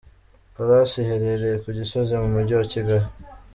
Palace iherereye ku Gisozi mu mujyi wa Kigali.